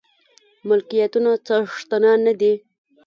ملکيتونو څښتنان نه دي.